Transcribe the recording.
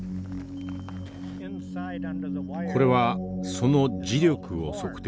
これはその磁力を測定する装置。